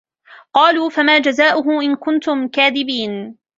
قالوا فما جزاؤه إن كنتم كاذبين